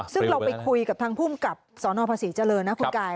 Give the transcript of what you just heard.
ซึ่งเราไปคุยกับทางภูมิกับสนภาษีเจริญนะคุณกาย